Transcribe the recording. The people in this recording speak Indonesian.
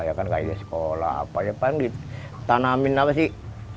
ya kan kayak dia sekolah apa ya paling ditanamin apa sih